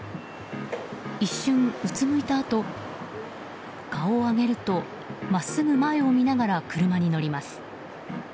一瞬うつむいたあと顔を上げると真っすぐ前を向きながら車に乗ります。